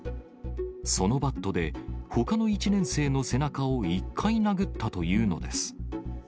そのバットで、ほかの１年生の背中を１回殴ったというのです。